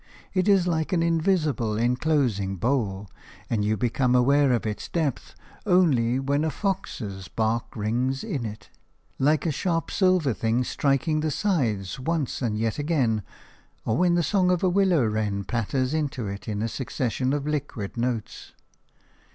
It is like an invisible, enclosing bowl, and you become aware of its depth only when a fox's bark rings in it, like a sharp silver thing striking the sides once and yet again, or when the song of a willow wren patters into it in a succession of liquid notes.